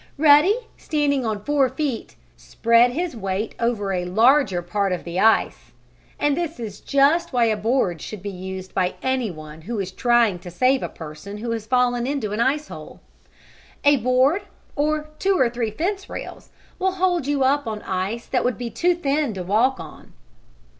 Ruddy, standing on four feet, spread his weight over a larger part of the ice, and this is just why a board should be used by anyone who is trying to save a person who has fallen into an ice hole. A board, or two or three fence rails, will hold you up on ice that would be too thin to walk on.